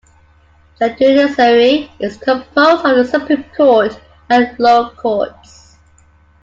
The judiciary is composed of the Supreme Court and lower courts.